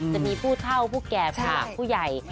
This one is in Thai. จะมีผู้เช่าผู้แก่ผู้ใหญ่